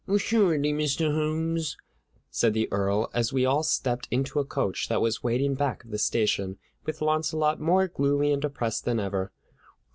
"Assuredly, Mr. Holmes," said the Earl, as we all stepped into a coach that was waiting back of the station, with Launcelot more gloomy and depressed than ever.